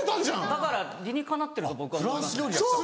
だから理にかなってると僕は思いますね。